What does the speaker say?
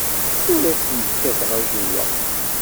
Ur asent-kkateɣ ajewwaq.